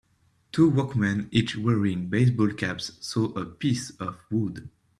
Two workmen, each wearing baseball caps, saw a piece of wood.